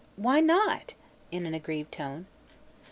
"Why not?" in an aggrieved tone.